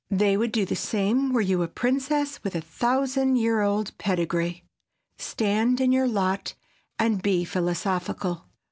They would do the same were you a princess with a thousand year old pedigree. Stand in your lot and be philosophical.